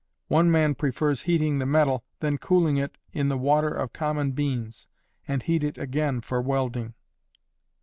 One man prefers heating the metal, then cooling it in the water of common beans, and heat it again for welding.